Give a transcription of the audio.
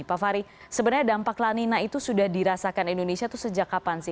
pak fahri sebenarnya dampak lanina itu sudah dirasakan indonesia itu sejak kapan sih